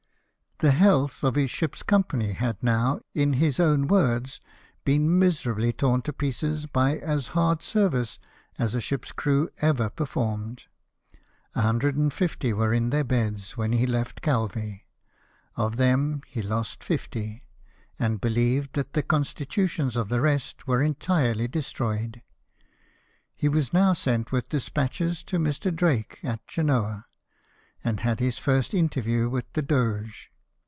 The health of his ship's company had now, in his own words, been miserably torn to pieces by as hard service as a ship's crew ev^r performed: 150 were in their beds when he left Calvi ; of them he lost 50, and believed that the constitutions of the rest were entirely destroyed. He was now sent with despatches to Mr. Drake, at Genoa, and had his first interview with the Doge.